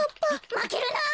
まけるな！